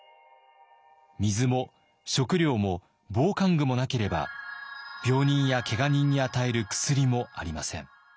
水も食料も防寒具もなければ病人やけが人に与える薬もありません。